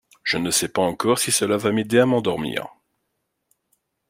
Je ne sais pas encore si cela va m’aider à m’endormir.